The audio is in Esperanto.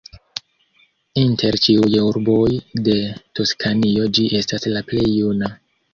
Inter ĉiuj urboj de Toskanio ĝi estas la plej juna.